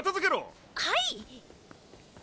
はい！